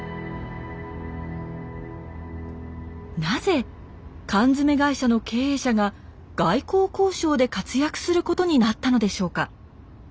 なぜ缶詰会社の経営者が外交交渉で活躍することになったのでしょうか。